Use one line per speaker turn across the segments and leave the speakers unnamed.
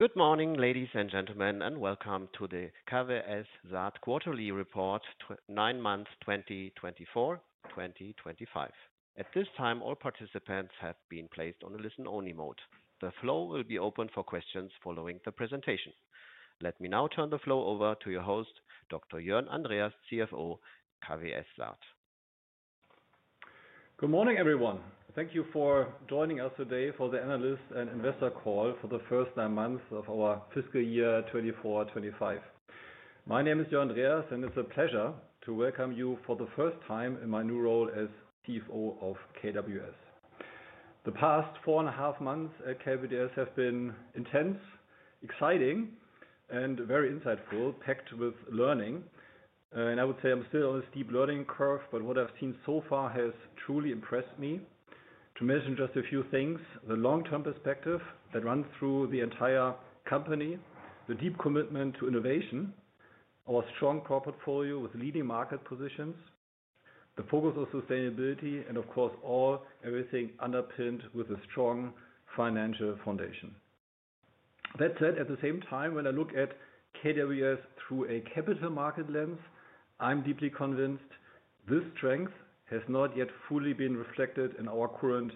Good morning, ladies and gentlemen, and welcome to the KWS SAAT Quarterly Report, 9 months 2024-2025. At this time, all participants have been placed on a listen-only mode. The floor will be open for questions following the presentation. Let me now turn the floor over to your host, Dr. Jörn Andreas, CFO, KWS SAAT.
Good morning, everyone. Thank you for joining us today for the analyst and investor call for the first nine months of our fiscal year 2024/2025. My name is Jörn Andreas, and it's a pleasure to welcome you for the first time in my new role as CFO of KWS. The past four and a half months at KWS have been intense, exciting, and very insightful, packed with learning. I would say I'm still on a steep learning curve, but what I've seen so far has truly impressed me. To mention just a few things: the long-term perspective that runs through the entire company, the deep commitment to innovation, our strong core portfolio with leading market positions, the focus on sustainability, and of course, everything underpinned with a strong financial foundation. That said, at the same time, when I look at KWS through a capital market lens, I'm deeply convinced this strength has not yet fully been reflected in our current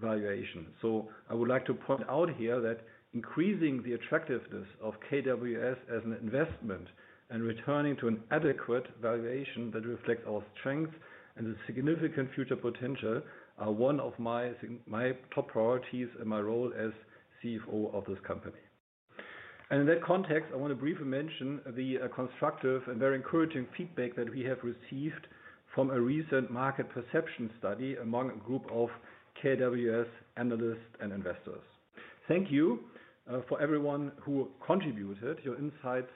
valuation. I would like to point out here that increasing the attractiveness of KWS as an investment and returning to an adequate valuation that reflects our strengths and the significant future potential are one of my top priorities in my role as CFO of this company. In that context, I want to briefly mention the constructive and very encouraging feedback that we have received from a recent market perception study among a group of KWS analysts and investors. Thank you for everyone who contributed. Your insights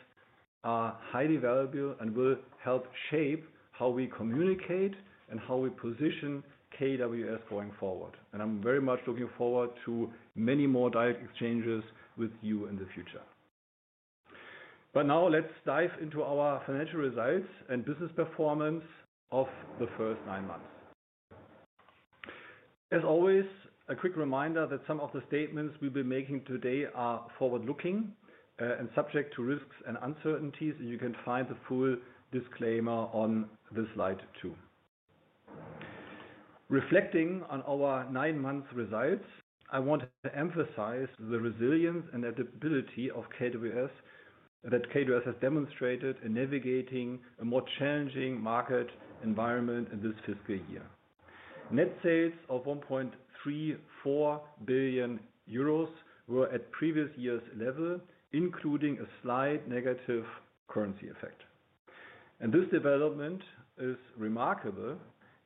are highly valuable and will help shape how we communicate and how we position KWS going forward. I am very much looking forward to many more direct exchanges with you in the future. Now let's dive into our financial results and business performance of the first nine months. As always, a quick reminder that some of the statements we will be making today are forward-looking and subject to risks and uncertainties, and you can find the full disclaimer on this slide too. Reflecting on our nine-month results, I want to emphasize the resilience and adaptability of KWS that KWS has demonstrated in navigating a more challenging market environment in this fiscal year. Net sales of 1.34 billion euros were at previous year's level, including a slight negative currency effect. This development is remarkable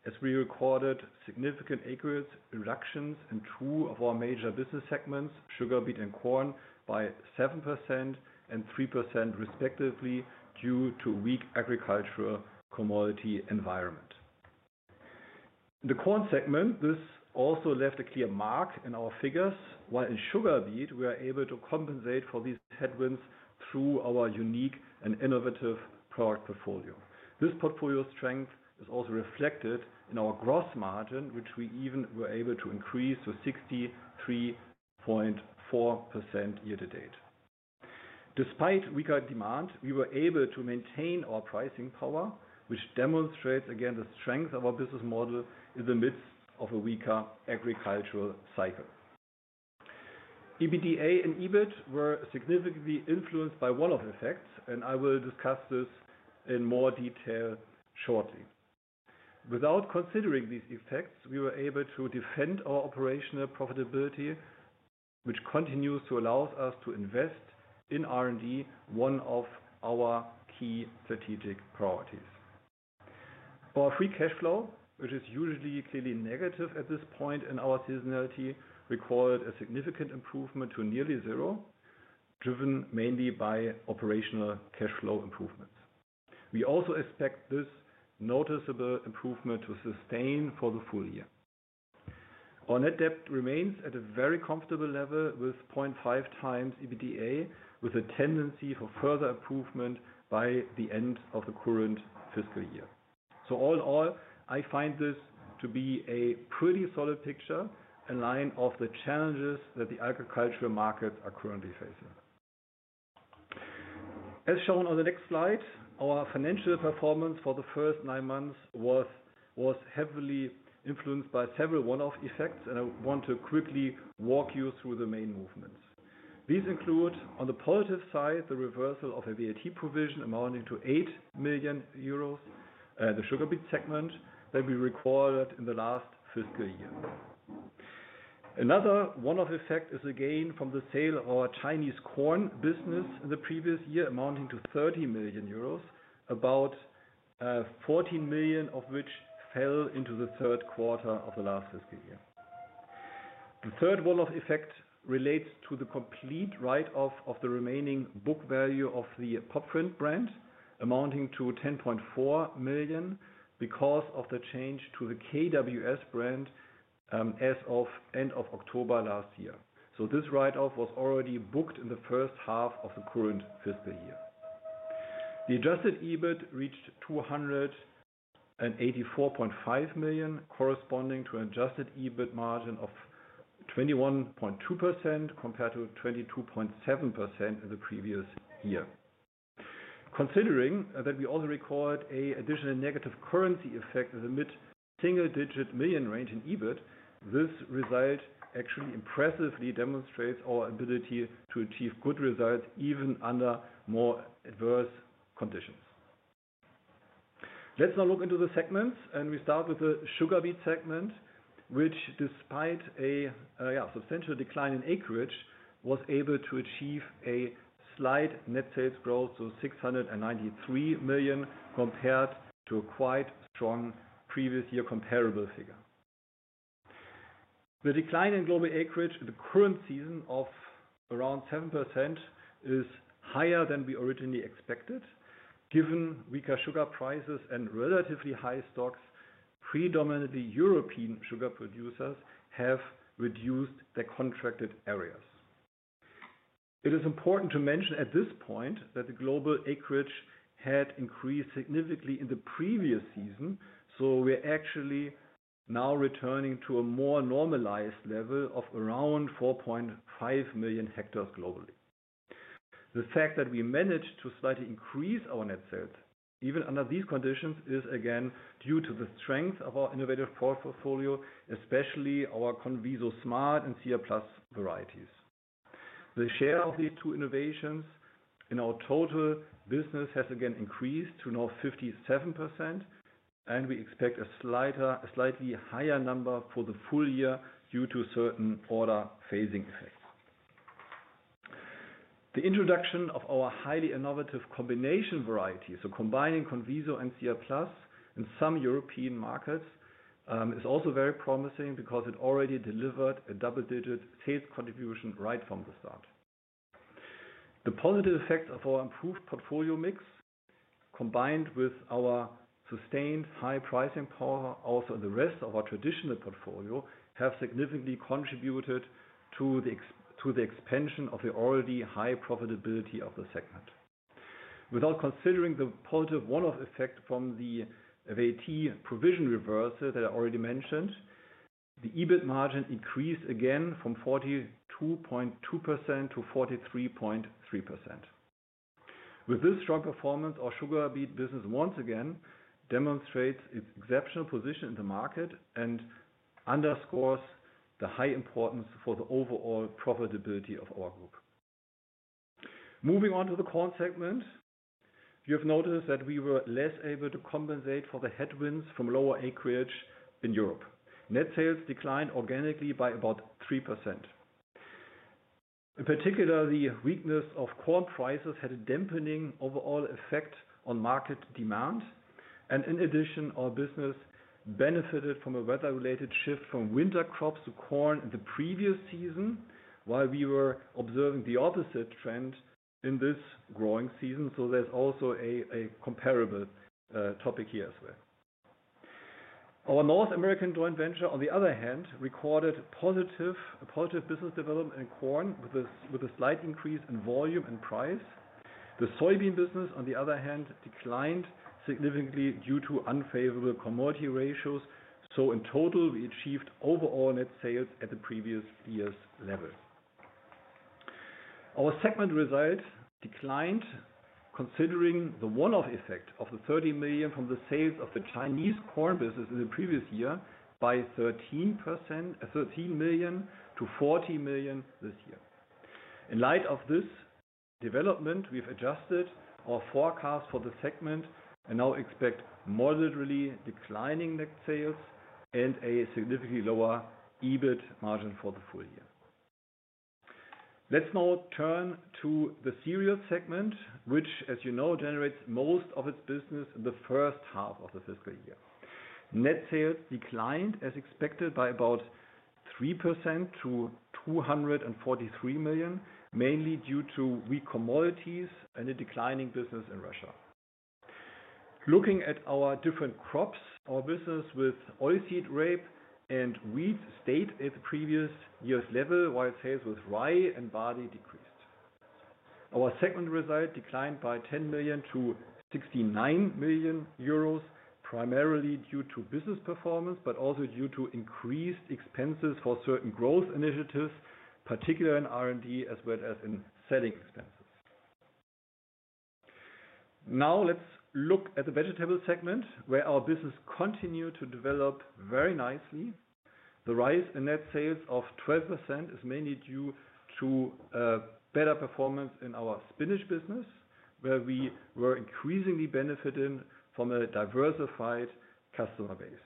as we recorded significant acreage reductions in two of our major business segments, sugar beet and corn, by 7% and 3% respectively due to a weak agricultural commodity environment. In the corn segment, this also left a clear mark in our figures, while in sugar beet, we were able to compensate for these headwinds through our unique and innovative product portfolio. This portfolio strength is also reflected in our gross margin, which we even were able to increase to 63.4% year to date. Despite weaker demand, we were able to maintain our pricing power, which demonstrates again the strength of our business model in the midst of a weaker agricultural cycle. EBITDA and EBIT were significantly influenced by one of the effects, and I will discuss this in more detail shortly. Without considering these effects, we were able to defend our operational profitability, which continues to allow us to invest in R&D, one of our key strategic priorities. Our free cash flow, which is usually clearly negative at this point in our seasonality, recorded a significant improvement to nearly zero, driven mainly by operational cash flow improvements. We also expect this noticeable improvement to sustain for the full year. Our net debt remains at a very comfortable level with 0.5x EBITDA, with a tendency for further improvement by the end of the current fiscal year. All in all, I find this to be a pretty solid picture in line with the challenges that the agricultural markets are currently facing. As shown on the next slide, our financial performance for the first 9 months was heavily influenced by several one-off effects, and I want to quickly walk you through the main movements. These include, on the positive side, the reversal of a VAT provision amounting to 8 million euros in the sugar beet segment that we recorded in the last fiscal year. Another one-off effect is the gain from the sale of our Chinese corn business in the previous year, amounting to 30 million euros, about 14 million of which fell into the third quarter of the last fiscal year. The third one-off effect relates to the complete write-off of the remaining book value of the Pop Vriend brand, amounting to 10.4 million because of the change to the KWS brand as of the end of October last year. This write-off was already booked in the first half of the current fiscal year. The adjusted EBIT reached 284.5 million, corresponding to an adjusted EBIT margin of 21.2% compared to 22.7% in the previous year. Considering that we also recorded an additional negative currency effect in the mid-single-digit million range in EBIT, this result actually impressively demonstrates our ability to achieve good results even under more adverse conditions. Let's now look into the segments, and we start with the sugar beet segment, which, despite a substantial decline in acreage, was able to achieve a slight net sales growth to 693 million compared to a quite strong previous year comparable figure. The decline in global acreage in the current season of around 7% is higher than we originally expected. Given weaker sugar prices and relatively high stocks, predominantly European sugar producers have reduced their contracted areas. It is important to mention at this point that the global acreage had increased significantly in the previous season, so we're actually now returning to a more normalized level of around 4.5 million hectares globally. The fact that we managed to slightly increase our net sales even under these conditions is again due to the strength of our innovative portfolio, especially our CONVISO SMART and CR Plus varieties. The share of these two innovations in our total business has again increased to now 57%, and we expect a slightly higher number for the full year due to certain order phasing effects. The introduction of our highly innovative combination varieties, so combining CONVISO and CR Plus in some European markets, is also very promising because it already delivered a double-digit sales contribution right from the start. The positive effects of our improved portfolio mix, combined with our sustained high pricing power also in the rest of our traditional portfolio, have significantly contributed to the expansion of the already high profitability of the segment. Without considering the positive one-off effect from the VAT provision reversal that I already mentioned, the EBIT margin increased again from 42.2%-43.3%. With this strong performance, our sugar beet business once again demonstrates its exceptional position in the market and underscores the high importance for the overall profitability of our group. Moving on to the corn segment, you have noticed that we were less able to compensate for the headwinds from lower acreage in Europe. Net sales declined organically by about 3%. In particular, the weakness of corn prices had a dampening overall effect on market demand. In addition, our business benefited from a weather-related shift from winter crops to corn in the previous season, while we were observing the opposite trend in this growing season. There is also a comparable topic here as well. Our North American joint venture, on the other hand, recorded positive business development in corn with a slight increase in volume and price. The soybean business, on the other hand, declined significantly due to unfavorable commodity ratios. In total, we achieved overall net sales at the previous year's level. Our segment result declined, considering the one-off effect of the 30 million from the sales of the Chinese corn business in the previous year by 13 million to 40 million this year. In light of this development, we've adjusted our forecast for the segment and now expect moderately declining net sales and a significantly lower EBIT margin for the full year. Let's now turn to the cereal segment, which, as you know, generates most of its business in the first half of the fiscal year. Net sales declined, as expected, by about 3% to 243 million, mainly due to weak commodities and a declining business in Russia. Looking at our different crops, our business with oilseed rape and wheat stayed at the previous year's level, while sales with rye and barley decreased. Our segment result declined by 10 million to 69 million euros, primarily due to business performance, but also due to increased expenses for certain growth initiatives, particularly in R&D as well as in selling expenses. Now let's look at the vegetable segment, where our business continued to develop very nicely. The rise in net sales of 12% is mainly due to better performance in our spinach business, where we were increasingly benefiting from a diversified customer base.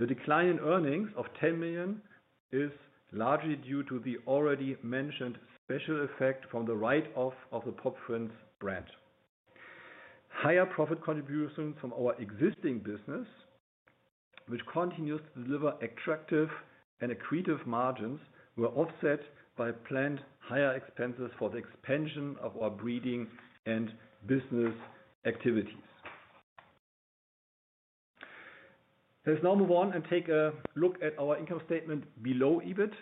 The decline in earnings of 10 million is largely due to the already mentioned special effect from the write-off of the Pop Vriend brand. Higher profit contributions from our existing business, which continues to deliver attractive and accretive margins, were offset by planned higher expenses for the expansion of our breeding and business activities. Let's now move on and take a look at our income statement below EBIT,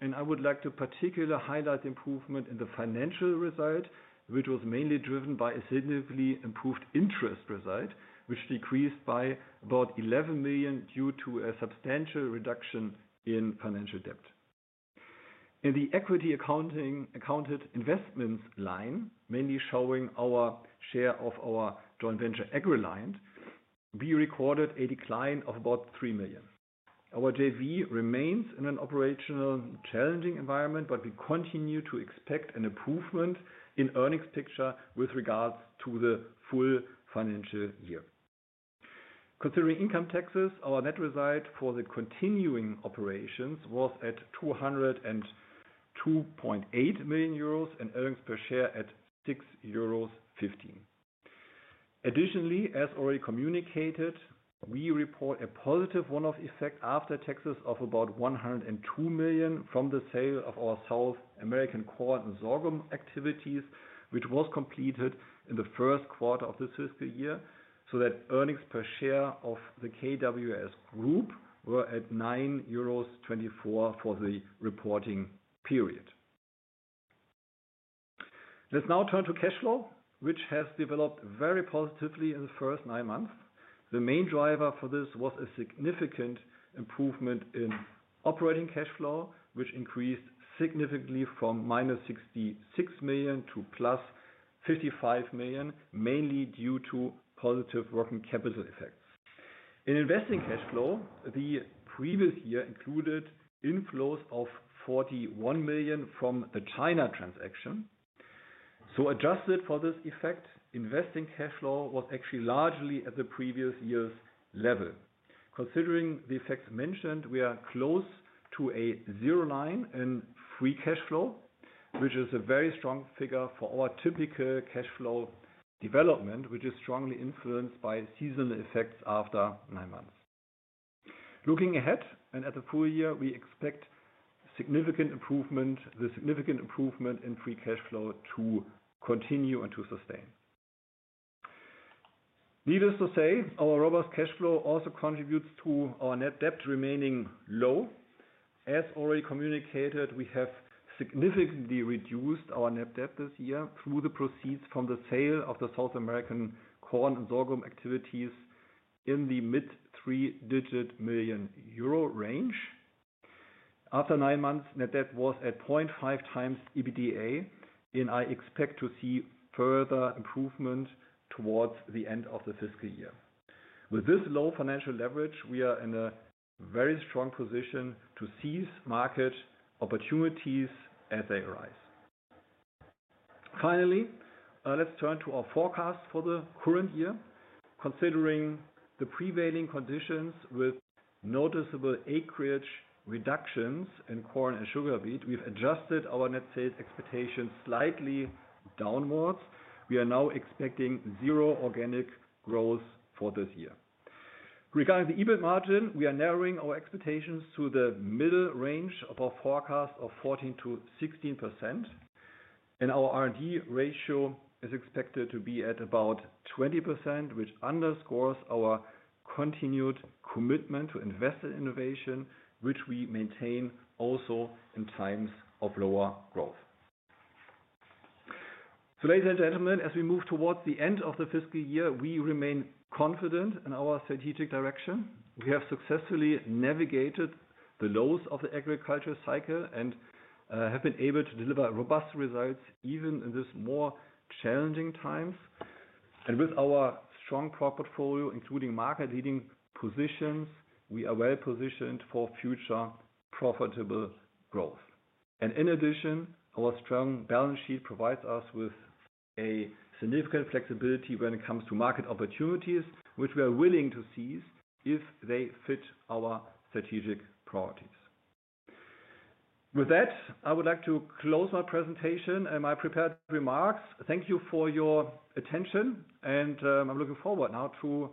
and I would like to particularly highlight the improvement in the financial result, which was mainly driven by a significantly improved interest result, which decreased by about 11 million due to a substantial reduction in financial debt. In the equity accounted investments line, mainly showing our share of our joint venture AgReliant, we recorded a decline of about 3 million. Our JV remains in an operationally challenging environment, but we continue to expect an improvement in earnings picture with regards to the full financial year. Considering income taxes, our net result for the continuing operations was at 202.8 million euros and earnings per share at 6.15 euros. Additionally, as already communicated, we report a positive one-off effect after taxes of about 102 million from the sale of our South American corn and sorghum activities, which was completed in the first quarter of this fiscal year, so that earnings per share of the KWS Group were at 9.24 euros for the reporting period. Let's now turn to cash flow, which has developed very positively in the first 9 months. The main driver for this was a significant improvement in operating cash flow, which increased significantly from 66 million to 155 million, mainly due to positive working capital effects. In investing cash flow, the previous year included inflows of 41 million from the China transaction. Adjusted for this effect, investing cash flow was actually largely at the previous year's level. Considering the effects mentioned, we are close to a zero line in free cash flow, which is a very strong figure for our typical cash flow development, which is strongly influenced by seasonal effects after nine months. Looking ahead and at the full year, we expect significant improvement, the significant improvement in free cash flow to continue and to sustain. Needless to say, our robust cash flow also contributes to our net debt remaining low. As already communicated, we have significantly reduced our net debt this year through the proceeds from the sale of the South American corn and sorghum activities in the mid-three-digit million EUR range. After nine months, net debt was at 0.5x EBITDA, and I expect to see further improvement towards the end of the fiscal year. With this low financial leverage, we are in a very strong position to seize market opportunities as they arise. Finally, let's turn to our forecast for the current year. Considering the prevailing conditions with noticeable acreage reductions in corn and sugar beet, we've adjusted our net sales expectations slightly downwards. We are now expecting zero organic growth for this year. Regarding the EBIT margin, we are narrowing our expectations to the middle range of our forecast of 14%-16%, and our R&D ratio is expected to be at about 20%, which underscores our continued commitment to invest in innovation, which we maintain also in times of lower growth. Ladies and gentlemen, as we move towards the end of the fiscal year, we remain confident in our strategic direction. We have successfully navigated the lows of the agriculture cycle and have been able to deliver robust results even in these more challenging times. With our strong crop portfolio, including market-leading positions, we are well positioned for future profitable growth. In addition, our strong balance sheet provides us with significant flexibility when it comes to market opportunities, which we are willing to seize if they fit our strategic priorities. With that, I would like to close my presentation and my prepared remarks. Thank you for your attention, and I am looking forward now to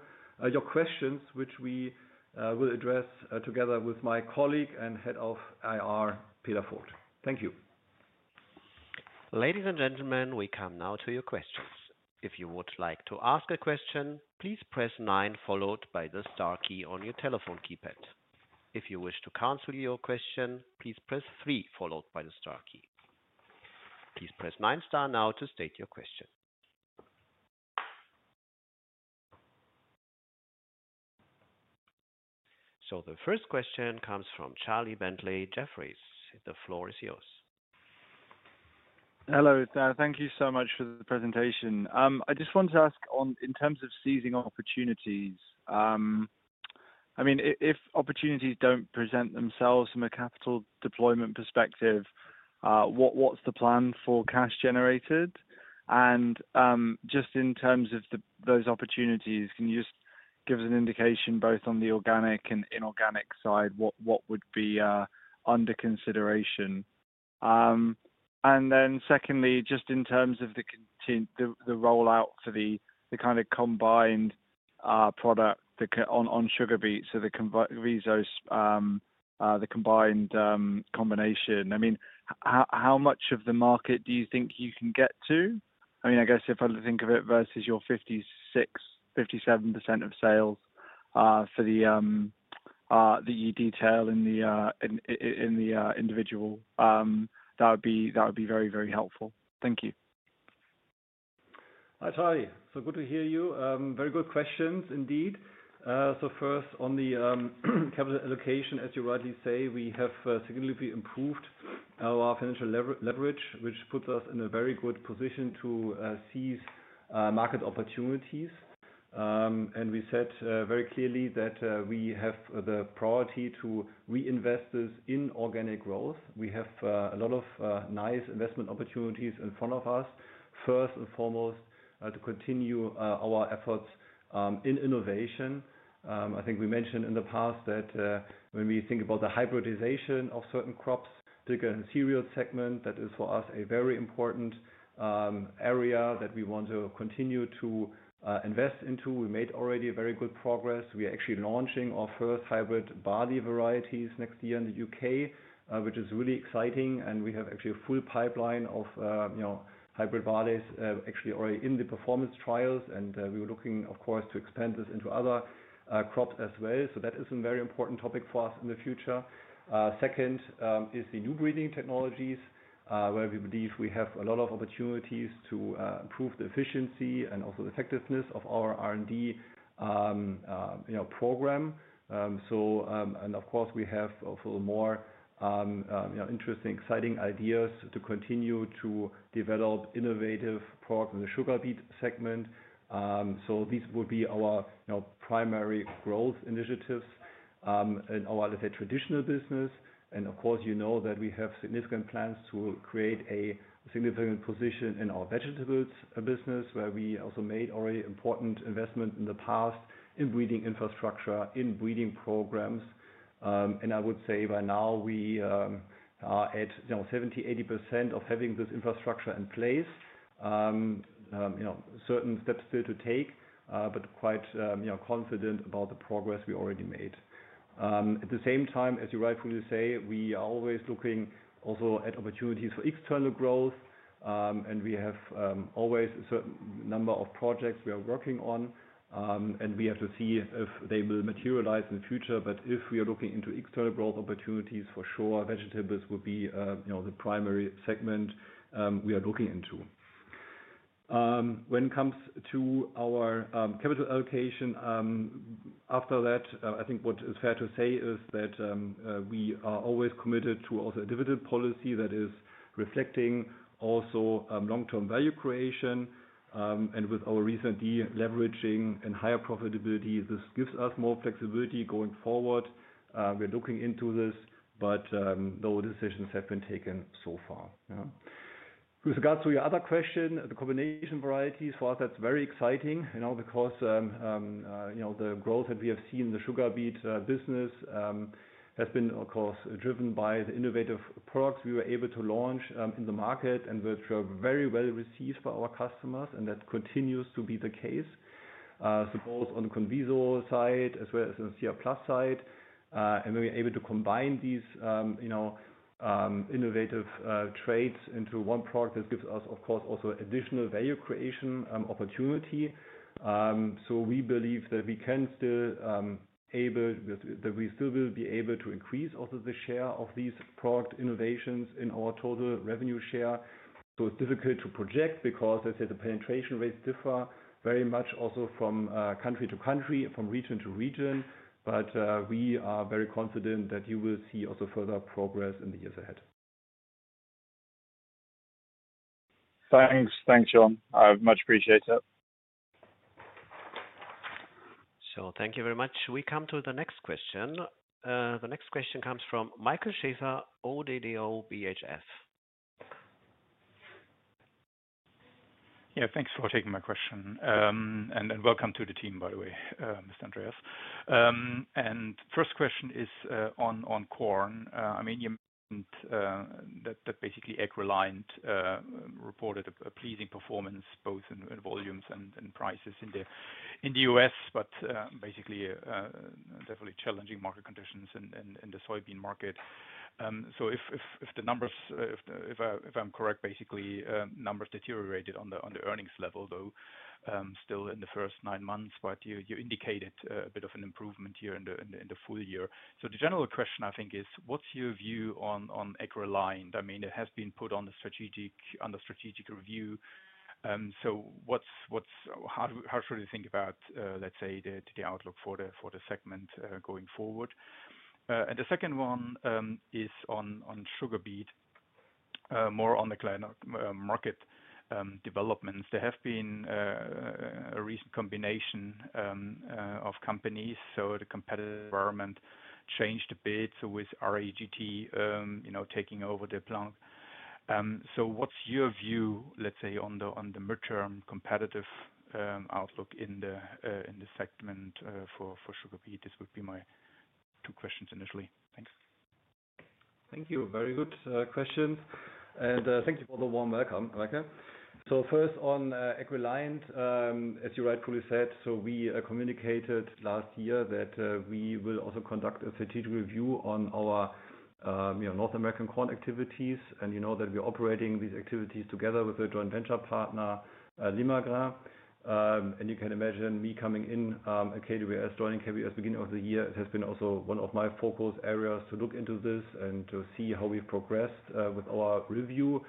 your questions, which we will address together with my colleague and Head of Investor Relations, Peter Voigt. Thank you.
Ladies and gentlemen, we come now to your questions. If you would like to ask a question, please press nine followed by the star key on your telephone keypad. If you wish to cancel your question, please press three followed by the star key. Please press nine star now to state your question. The first question comes from Charlie Bentley-Jefferies. The floor is yours. Hello, thank you so much for the presentation. I just want to ask in terms of seizing opportunities. I mean, if opportunities do not present themselves from a capital deployment perspective, what is the plan for cash generated? And just in terms of those opportunities, can you just give us an indication both on the organic and inorganic side what would be under consideration? Secondly, just in terms of the rollout for the kind of combined product on sugar beets, so the combined combination. I mean, how much of the market do you think you can get to? I mean, I guess if I think of it versus your 56%-57% of sales that you detail in the individual, that would be very, very helpful. Thank you.
Hi, Charlie. So good to hear you. Very good questions indeed. First, on the capital allocation, as you rightly say, we have significantly improved our financial leverage, which puts us in a very good position to seize market opportunities. We said very clearly that we have the priority to reinvest this in organic growth. We have a lot of nice investment opportunities in front of us. First and foremost, to continue our efforts in innovation. I think we mentioned in the past that when we think about the hybridization of certain crops, particularly in the cereal segment, that is for us a very important area that we want to continue to invest into. We made already very good progress. We are actually launching our first hybrid barley varieties next year in the U.K., which is really exciting. We have actually a full pipeline of hybrid barleys already in the performance trials. We were looking, of course, to expand this into other crops as well. That is a very important topic for us in the future. Second is the new breeding technologies, where we believe we have a lot of opportunities to improve the efficiency and also the effectiveness of our R&D program. Of course, we have a little more interesting, exciting ideas to continue to develop innovative products in the sugar beet segment. These would be our primary growth initiatives in our, let's say, traditional business. You know that we have significant plans to create a significant position in our vegetables business, where we also made already important investment in the past in breeding infrastructure, in breeding programs. I would say by now we are at 7%-80% of having this infrastructure in place. Certain steps still to take, but quite confident about the progress we already made. At the same time, as you rightfully say, we are always looking also at opportunities for external growth. We have always a certain number of projects we are working on. We have to see if they will materialize in the future. If we are looking into external growth opportunities, for sure, vegetables will be the primary segment we are looking into. When it comes to our capital allocation, after that, I think what is fair to say is that we are always committed to also a dividend policy that is reflecting also long-term value creation. With our recent de-leveraging and higher profitability, this gives us more flexibility going forward. We're looking into this, but no decisions have been taken so far. With regards to your other question, the combination varieties, for us, that's very exciting because the growth that we have seen in the sugar beet business has been, of course, driven by the innovative products we were able to launch in the market and which are very well received by our customers. That continues to be the case, both on the CONVISO side as well as the CR Plus side. We are able to combine these innovative traits into one product that gives us, of course, also additional value creation opportunity. We believe that we can still be able to increase also the share of these product innovations in our total revenue share. It's difficult to project because, as I said, the penetration rates differ very much also from country to country, from region to region. We are very confident that you will see also further progress in the years ahead.
Thanks. Thanks, Jörn. I much appreciate it.
Thank you very much. We come to the next question. The next question comes from Michael Schaefer, ODDO BHF.
Yeah, thanks for taking my question. And welcome to the team, by the way, Mr. Andreas. First question is on corn. I mean, that basically AgReliant reported a pleasing performance both in volumes and prices in the US, but definitely challenging market conditions in the soybean market. If the numbers, if I'm correct, basically numbers deteriorated on the earnings level, though, still in the first nine months, but you indicated a bit of an improvement here in the full year. The general question, I think, is what's your view on AgReliant? I mean, it has been put under strategic review. How should we think about, let's say, the outlook for the segment going forward? The second one is on sugar beet, more on the market developments. There has been a recent combination of companies, so the competitive environment changed a bit with RAGT taking over the plant. What's your view, let's say, on the midterm competitive outlook in the segment for sugar beet? This would be my two questions initially. Thanks.
Thank you. Very good questions. Thank you for the warm welcome, Michael. First on AgReliant, as you rightfully said, we communicated last year that we will also conduct a strategic review on our North American corn activities. You know that we're operating these activities together with a joint venture partner, Limagrain. You can imagine me coming in at KWS, joining KWS at the beginning of the year. It has been also one of my focus areas to look into this and to see how we've progressed with our review.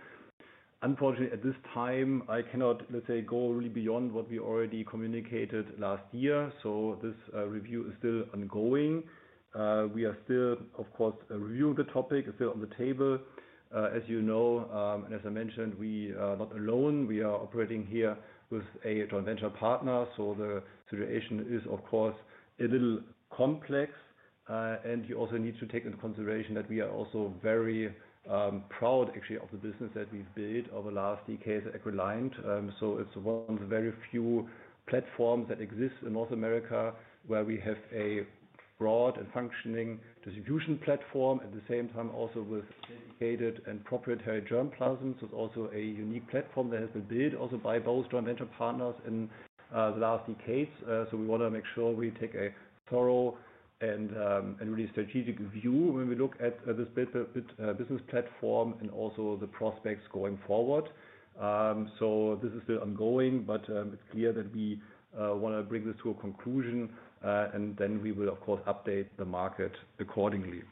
Unfortunately, at this time, I cannot, let's say, go really beyond what we already communicated last year. This review is still ongoing. We are still, of course, reviewing the topic, still on the table. As you know, and as I mentioned, we are not alone. We are operating here with a joint venture partner. The situation is, of course, a little complex. You also need to take into consideration that we are also very proud, actually, of the business that we've built over the last decade at AgReliant. It is one of the very few platforms that exists in North America where we have a broad and functioning distribution platform, at the same time also with dedicated and proprietary germplasms. It's also a unique platform that has been built also by both joint venture partners in the last decades. We want to make sure we take a thorough and really strategic view when we look at this business platform and also the prospects going forward. This is still ongoing, but it's clear that we want to bring this to a conclusion. We will, of course, update the market accordingly.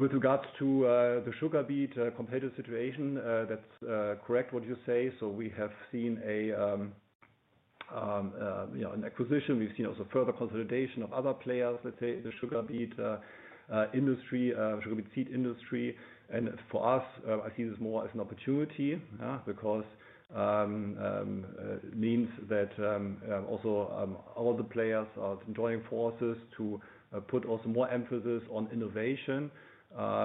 With regards to the sugar beet competitive situation, that's correct what you say. We have seen an acquisition. We've seen also further consolidation of other players, let's say, the sugar beet industry, sugar beet seed industry. For us, I see this more as an opportunity because it means that also all the players are joining forces to put more emphasis on innovation,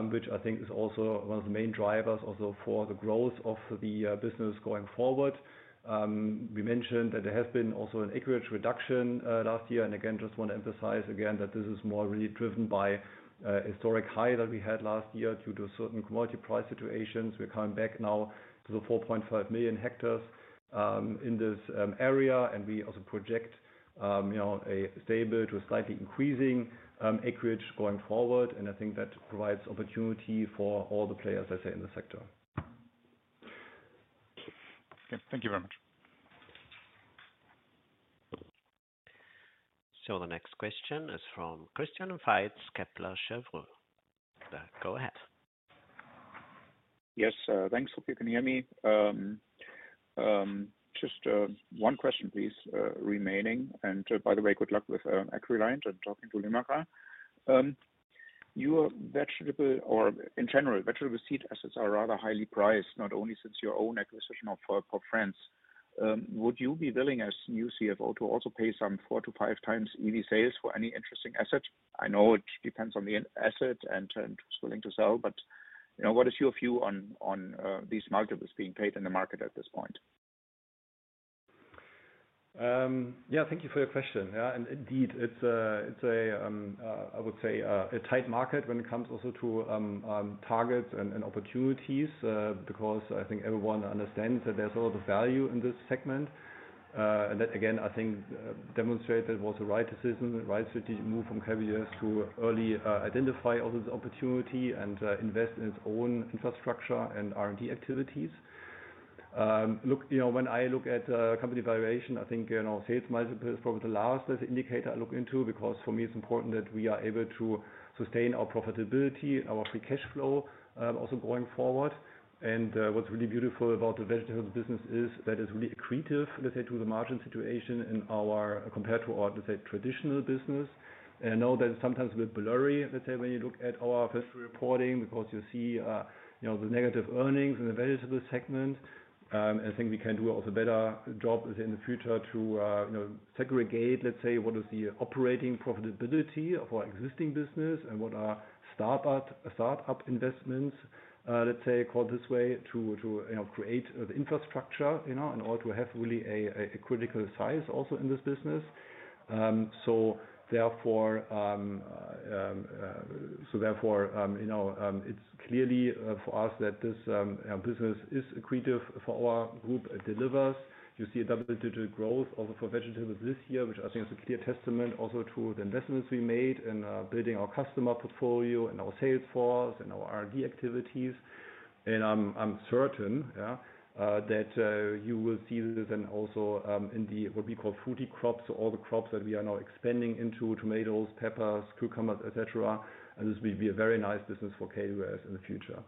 which I think is also one of the main drivers for the growth of the business going forward. We mentioned that there has been an acreage reduction last year. I just want to emphasize again that this is really driven by a historic high that we had last year due to certain commodity price situations. We are coming back now to the 4.5 million hectares in this area. We also project a stable to slightly increasing acreage going forward. I think that provides opportunity for all the players in the sector.
Thank you very much.
The next question is from Christian Fait, Kepler Cheuvreux. Go ahead.
Yes, thanks. Hope you can hear me. Just one question, please, remaining. And by the way, good luck with AgReliant and talking to Limagrain. Your vegetable, or in general, vegetable seed assets are rather highly priced, not only since your own acquisition of France's. Would you be willing, as new CFO, to also pay some 4x-5x EV sales for any interesting asset? I know it depends on the asset and who's willing to sell, but what is your view on these markets being paid in the market at this point?
Yeah, thank you for your question. Yeah, and indeed, it's a, I would say, a tight market when it comes also to targets and opportunities because I think everyone understands that there's a lot of value in this segment. That, again, I think demonstrates that it was the right decision, right strategic move from KWS to early identify also this opportunity and invest in its own infrastructure and R&D activities. Look, when I look at company valuation, I think sales multiple is probably the last indicator I look into because for me, it's important that we are able to sustain our profitability, our free cash flow also going forward. What's really beautiful about the vegetable business is that it's really accretive, let's say, to the margin situation compared to our, let's say, traditional business. I know that it's sometimes a bit blurry, let's say, when you look at our financial reporting because you see the negative earnings in the vegetable segment. I think we can do also a better job in the future to segregate, let's say, what is the operating profitability of our existing business and what are startup investments, let's say, call this way to create the infrastructure in order to have really a critical size also in this business. Therefore, it is clearly for us that this business is accretive for our group and delivers. You see a double-digit growth also for vegetables this year, which I think is a clear testament also to the investments we made in building our customer portfolio and our sales force and our R&D activities. I am certain that you will see this then also in what we call fruity crops. All the crops that we are now expanding into: tomatoes, peppers, cucumbers, etc. This will be a very nice business for KWS in the future.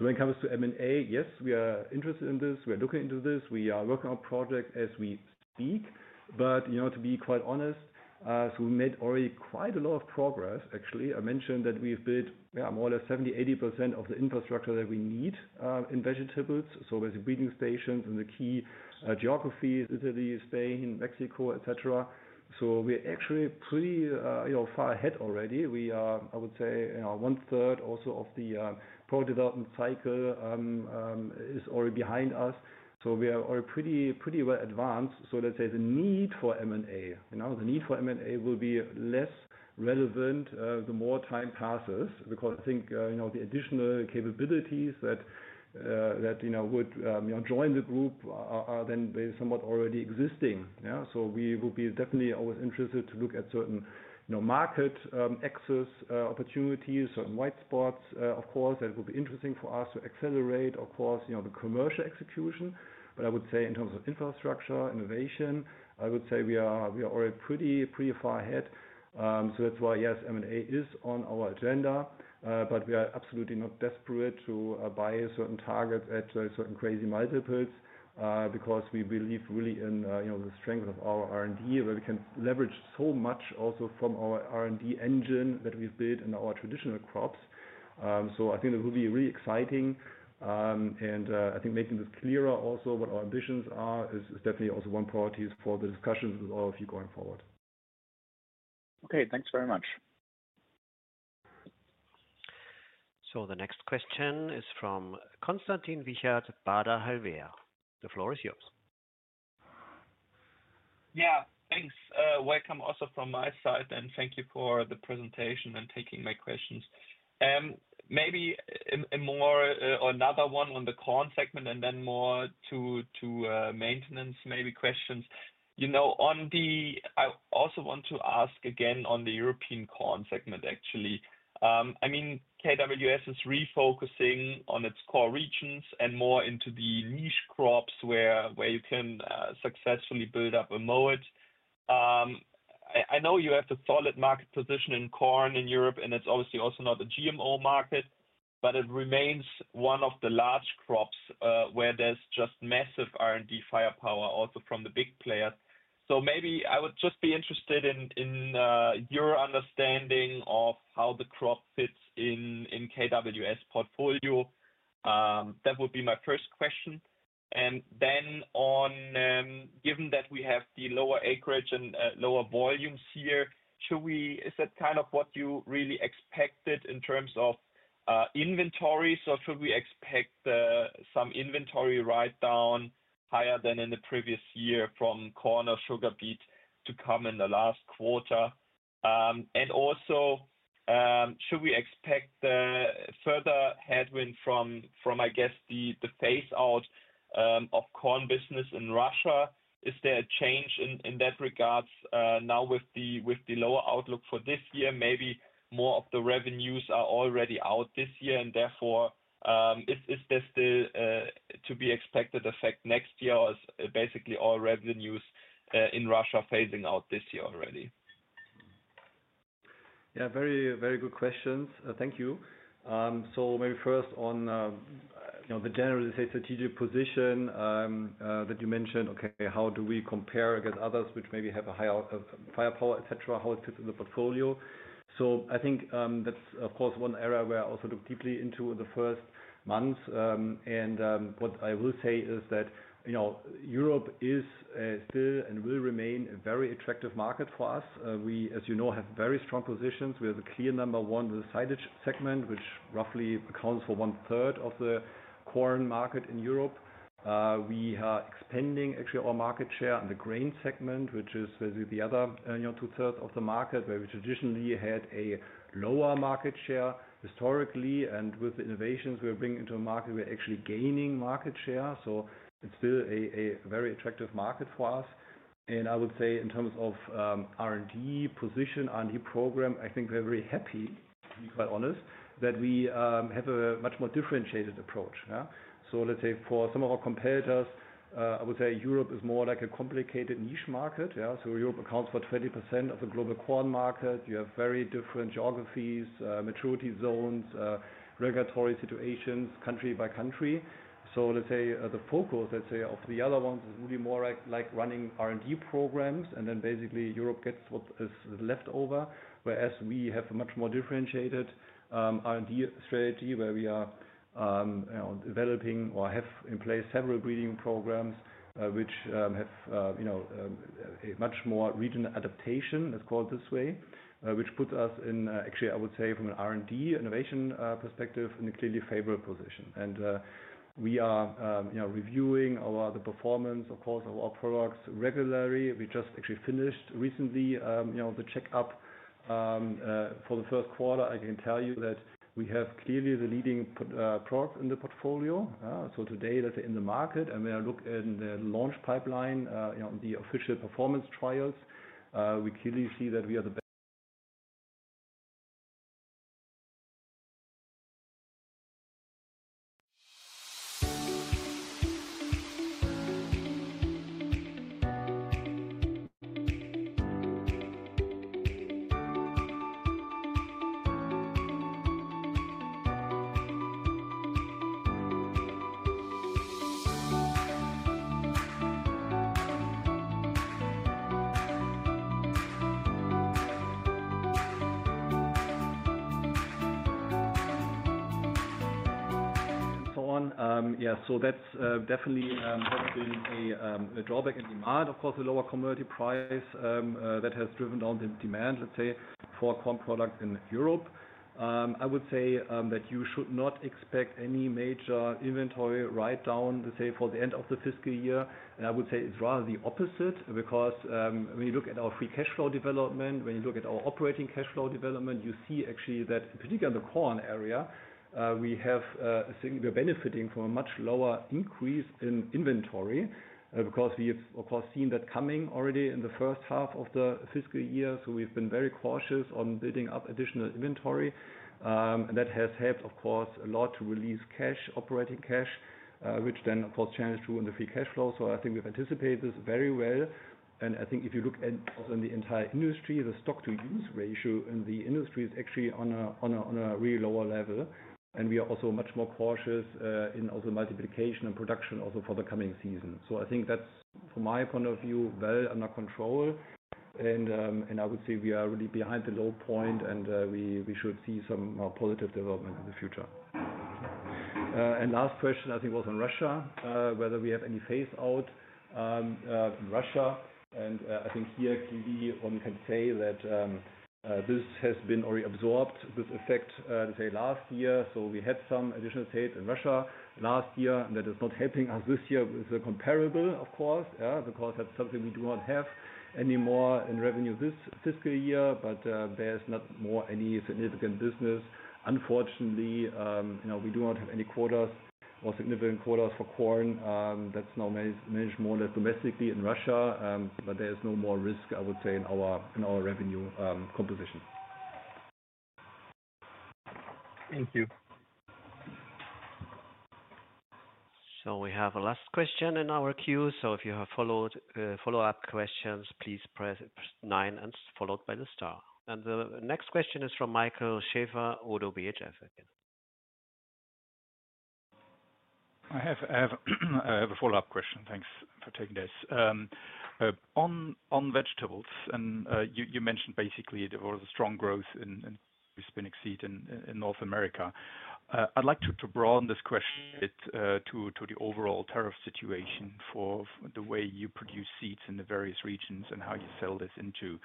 When it comes to M&A, yes, we are interested in this. We are looking into this. We are working on projects as we speak. To be quite honest, we made already quite a lot of progress, actually. I mentioned that we have built more than 70%-80% of the infrastructure that we need in vegetables. There are breeding stations in the key geographies: Italy, Spain, Mexico, etc. We are actually pretty far ahead already. I would say one-third also of the product development cycle is already behind us. We are already pretty well advanced. The need for M&A will be less relevant the more time passes because I think the additional capabilities that would join the group are then somewhat already existing. We will be definitely always interested to look at certain market access opportunities, certain white spots, of course, that will be interesting for us to accelerate, of course, the commercial execution. I would say in terms of infrastructure innovation, we are already pretty far ahead. That is why, yes, M&A is on our agenda. We are absolutely not desperate to buy certain targets at certain crazy multiples because we believe really in the strength of our R&D, where we can leverage so much also from our R&D engine that we have built in our traditional crops. I think it will be really exciting. I think making this clearer also what our ambitions are is definitely also one priority for the discussions with all of you going forward.
Okay, thanks very much.
The next question is from Konstantin Wiechert, Baader Helvea. The floor is yours.
Yeah, thanks. Welcome also from my side. Thank you for the presentation and taking my questions. Maybe another one on the corn segment and then more to maintenance maybe questions. I also want to ask again on the European corn segment, actually. I mean, KWS is refocusing on its core regions and more into the niche crops where you can successfully build up a moat. I know you have the solid market position in corn in Europe, and it's obviously also not a GMO market, but it remains one of the large crops where there's just massive R&D firepower also from the big players. Maybe I would just be interested in your understanding of how the crop fits in KWS portfolio. That would be my first question. Given that we have the lower acreage and lower volumes here, is that kind of what you really expected in terms of inventories? Or should we expect some inventory write-down higher than in the previous year from corn or sugar beet to come in the last quarter? Also, should we expect further headwind from, I guess, the phase-out of corn business in Russia? Is there a change in that regard now with the lower outlook for this year? Maybe more of the revenues are already out this year, and therefore, is there still to be expected effect next year or basically all revenues in Russia phasing out this year already?
Yeah, very good questions. Thank you. Maybe first on the general, let's say, strategic position that you mentioned, okay, how do we compare against others which maybe have a higher firepower, etc., how it fits in the portfolio? I think that's, of course, one area where I also look deeply into the first months. What I will say is that Europe is still and will remain a very attractive market for us. We, as you know, have very strong positions. We have a clear number one in the silage segment, which roughly accounts for one-third of the corn market in Europe. We are expanding, actually, our market share in the grain segment, which is basically the other two-thirds of the market where we traditionally had a lower market share historically. With the innovations we're bringing into the market, we're actually gaining market share. It is still a very attractive market for us. I would say in terms of R&D position, R&D program, I think we're very happy, to be quite honest, that we have a much more differentiated approach. For some of our competitors, I would say Europe is more like a complicated niche market. Europe accounts for 20% of the global corn market. You have very different geographies, maturity zones, regulatory situations, country by country. The focus of the other ones is really more like running R&D programs, and then basically Europe gets what is left over, whereas we have a much more differentiated R&D strategy where we are developing or have in place several breeding programs which have a much more regional adaptation, let's call it this way, which puts us in, actually, I would say, from an R&D innovation perspective, in a clearly favorable position. We are reviewing the performance, of course, of our products regularly. We just actually finished recently the check-up for the first quarter. I can tell you that we have clearly the leading product in the portfolio. Today, let's say, in the market, and when I look in the launch pipeline, the official performance trials, we clearly see that we are the best. Yeah, that definitely has been a drawback in demand. Of course, the lower commodity price has driven down the demand, let's say, for corn products in Europe. I would say that you should not expect any major inventory write-down, let's say, for the end of the fiscal year. I would say it's rather the opposite because when you look at our free cash flow development, when you look at our operating cash flow development, you see actually that particularly in the corn area, we have been benefiting from a much lower increase in inventory because we've, of course, seen that coming already in the first half of the fiscal year. We have been very cautious on building up additional inventory. That has helped, of course, a lot to release cash, operating cash, which then, of course, translates to the free cash flow. I think we've anticipated this very well. I think if you look at also in the entire industry, the stock-to-use ratio in the industry is actually on a really lower level. We are also much more cautious in also multiplication and production also for the coming season. I think that's, from my point of view, well under control. I would say we are really behind the low point, and we should see some more positive development in the future. The last question, I think, was on Russia, whether we have any phase-out in Russia. I think here clearly one can say that this has been already absorbed, this effect, let's say, last year. We had some additional sales in Russia last year, and that is not helping us this year. It's comparable, of course, because that's something we do not have anymore in revenue this fiscal year, but there's not more any significant business. Unfortunately, we do not have any quotas or significant quotas for corn. That's now managed more or less domestically in Russia, but there is no more risk, I would say, in our revenue composition.
Thank you.
We have a last question in our queue. If you have follow-up questions, please press nine followed by the star. The next question is from Michael Schaefer, ODDO BHF.
I have a follow-up question. Thanks for taking this. On vegetables, you mentioned basically there was strong growth in spinach seed in North America. I'd like to broaden this question a bit to the overall tariff situation for the way you produce seeds in the various regions and how you sell this into.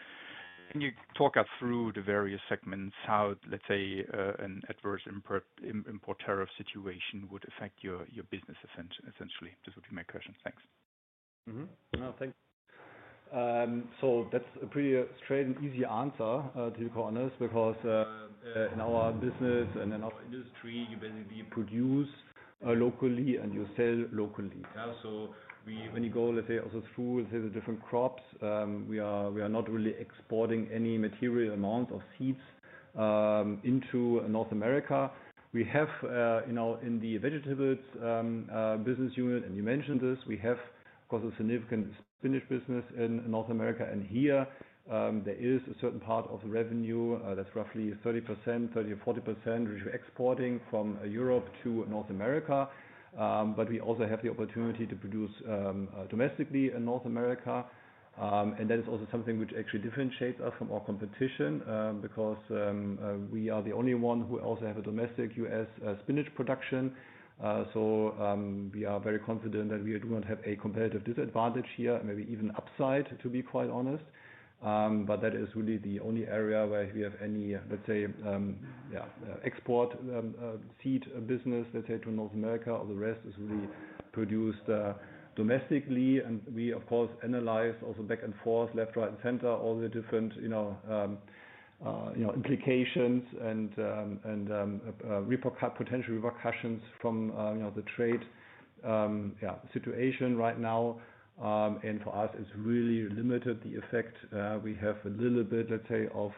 Can you talk us through the various segments, how, let's say, an adverse import tariff situation would affect your business, essentially? This would be my question. Thanks.
No, thanks. That's a pretty straight and easy answer, to be quite honest, because in our business and in our industry, you basically produce locally and you sell locally. When you go, let's say, also through, let's say, the different crops, we are not really exporting any material amount of seeds into North America. We have in the vegetables business unit, and you mentioned this, we have, of course, a significant spinach business in North America. Here, there is a certain part of the revenue that's roughly 30%-40% which we're exporting from Europe to North America. We also have the opportunity to produce domestically in North America. That is also something which actually differentiates us from our competition because we are the only one who also has a domestic US spinach production. We are very confident that we do not have a competitive disadvantage here, maybe even upside, to be quite honest. That is really the only area where we have any, let's say, export seed business, let's say, to North America. All the rest is really produced domestically. We, of course, analyze also back and forth, left, right, and center, all the different implications and potential repercussions from the trade situation right now. For us, it is really limited, the effect. We have a little bit, let's say, of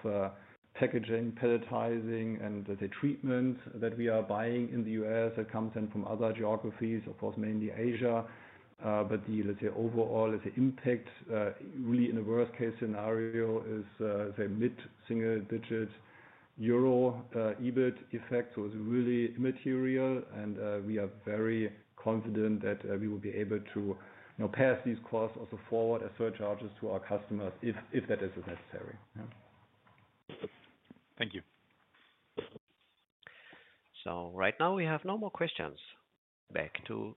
packaging, palletizing, and, let's say, treatments that we are buying in the US that come in from other geographies, of course, mainly Asia. The, let's say, overall, let's say, impact really, in the worst-case scenario, is, let's say, mid-single-digit EUR million EBIT effect. It is really immaterial. We are very confident that we will be able to pass these costs also forward as surcharges to our customers if that is necessary. Thank you.
Right now, we have no more questions. Back to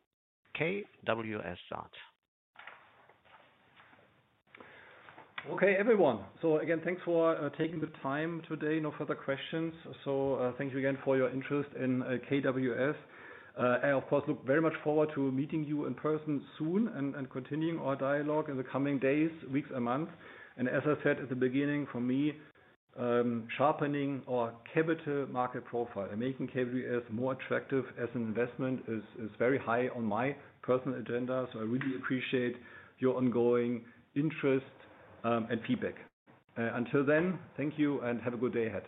KWS SAAT.
Okay, everyone. Again, thanks for taking the time today. No further questions. Thank you again for your interest in KWS. I, of course, look very much forward to meeting you in person soon and continuing our dialogue in the coming days, weeks, and months. As I said at the beginning, for me, sharpening our capital market profile and making KWS more attractive as an investment is very high on my personal agenda. I really appreciate your ongoing interest and feedback. Until then, thank you and have a good day ahead.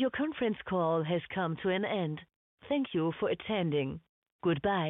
Your conference call has come to an end. Thank you for attending. Goodbye.